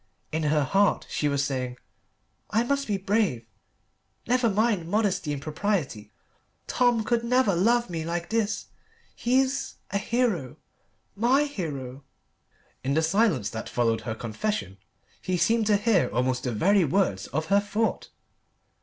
In her heart she was saying, "I must be brave. Never mind modesty and propriety. Tom could never love me like this. He's a hero my hero." In the silence that followed her confession he seemed to hear almost the very words of her thought.